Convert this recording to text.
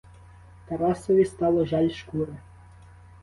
Тарасові стало жаль шкури.